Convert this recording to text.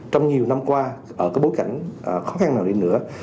trong nhiều năm qua ở cái bối cảnh khó khăn nào đi nữa